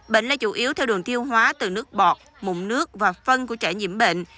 bệnh là chủ yếu theo đường thiêu hóa từ nước bọt mụn nước và phân của trẻ nhiễm bệnh